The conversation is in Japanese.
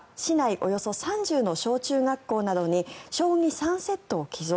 およそ３０の小中学校などに将棋３セットを寄贈。